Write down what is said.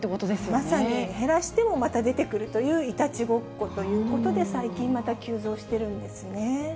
まさに、減らしてもまた出てくるといういたちごっこということで、最近また急増してるんですね。